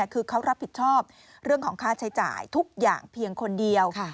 คือเขารับผิดชอบเรื่องของค่าใช้จ่ายทุกอย่างเพียงคนเดียว